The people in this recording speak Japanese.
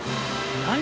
何？